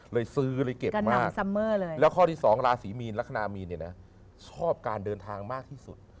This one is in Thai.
เลยซื้อเลยเก็บกันมากแล้วข้อที่๒ราศีมีนลักษณะมีนเนี่ยนะชอบการเดินทางมากที่สุด